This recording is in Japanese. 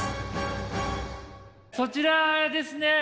そちらですね